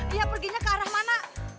dia perginya ke arah mana